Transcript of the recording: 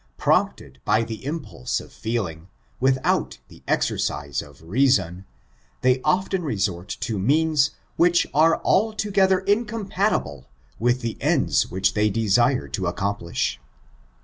Prompted by the impulse of feeling, without the exercise of reason, they often resort to means which are altogether incompatible with the ends which they desire to accomplish.